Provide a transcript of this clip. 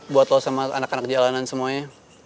buat lo sama anak anak jalanan semuanya